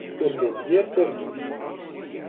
Urgant yir targit.